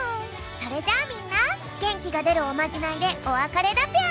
それじゃあみんなげんきがでるおまじないでおわかれだぴょん。